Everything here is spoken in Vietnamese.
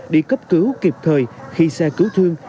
đi cấp cứu kịp thời khi xe cứu thương